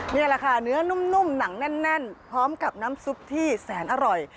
นี่แหละค่ะเนื้อนุ่มหนังแน่นพร้อมกับน้ำซุปที่แสนอร่อย